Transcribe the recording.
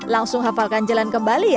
langsung hafalkan jalan kembali ya